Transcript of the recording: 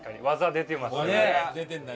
出てるんだね。